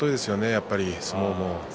やっぱり相撲も。